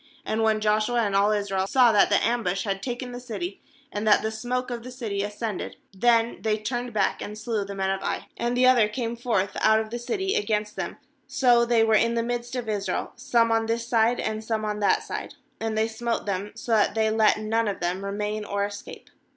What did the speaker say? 21And when Josh ua and all Israel saw that the am bush had taken the city, and that the smoke of the city ascended, then they turned back, and slew the men of Ai. ^And the other came forth out of the city against them; so they were in the midst of Israel, some on this side, and some on that side; and they smote them, so that they let none of them remain or escape.